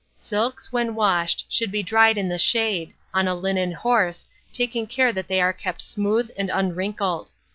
Silks, when washed, should be dried in the shade, on a linen horse, taking care that they are kept smooth and unwrinkled.